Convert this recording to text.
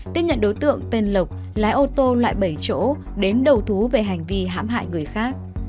tiếp nhận đối tượng tên lộc lái ô tô loại bảy chỗ đến đầu thú về hành vi hãm hại người khác